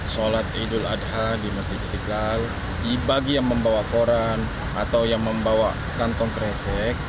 sholat idul adha di masjid istiqlal bagi yang membawa koran atau yang membawa kantong kresek